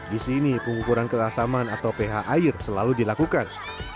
di sini pengukuran kekasaman atau ph air selalu dilakukan